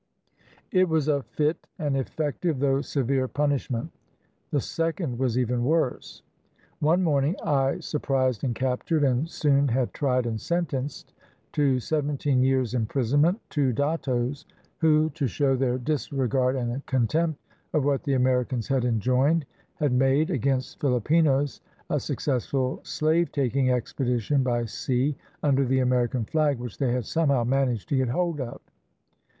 It was a fit and effective though severe punish ment. The second was even worse. One morning I sur prised and captured, and soon had tried and sentenced to seventeen years' imprisonment, two dattos who, to show their disregard and contempt of what the Amer icans had enjoined, had made, against Filipinos, a suc cessful slave taking expedition by sea, under the Amer ican flag, which they had somehow managed to get hold of!